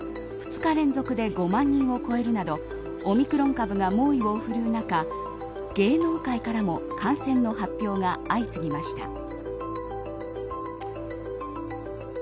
２日連続で５万人を超えるなどオミクロン株が猛威を振るう中芸能界からも感染の発表が相次ぎました。